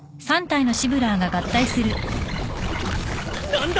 何だ！？